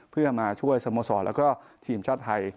เพื่อมาช่วยสโมสรแล้วก็ทีมชาติไทย